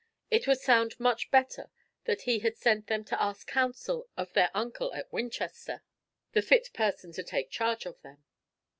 It would sound much better that he had sent them to ask counsel of their uncle at Winchester, the fit person to take charge of them.